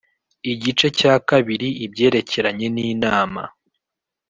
Igice cya kabiri Ibyerekeranye n Inama